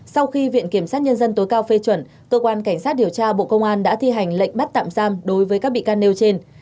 sau khi viện kiểm sát nhân dân tối cao phê chuẩn cơ quan cảnh sát điều tra bộ công an đã thi hành lệnh bắt tạm giam đối với các bị can nêu trên